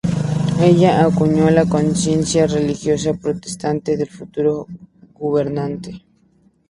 Ella acuñó la conciencia religiosa protestante del futuro gobernante.